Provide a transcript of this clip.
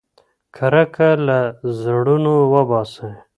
کرکه له زړونو وباسئ.